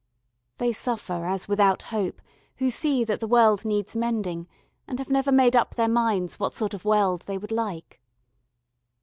They suffer as without hope who see that the world needs mending, and have never made up their minds what sort of world they would like.